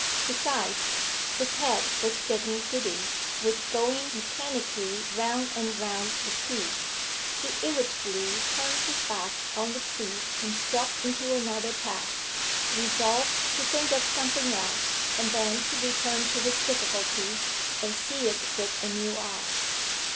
Besides, his head was getting giddy, with going mechanically round and round the tree. He irritably turned his back on the tree and struck into another path: resolved to think of something else, and then to return to his difficulty, and see it with a new eye.